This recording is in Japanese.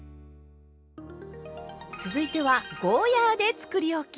続いてはゴーヤーでつくりおき。